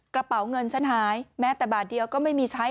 กระเป๋าเงินฉันหายแม้แต่บาทเดียวก็ไม่มีใช้